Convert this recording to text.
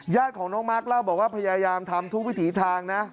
ญาติของน้องมาร์คเล่าบอกว่าพยายามทำทุกวิถีทางนะ